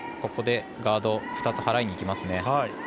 ここでガードを２つ掃いにいきますね。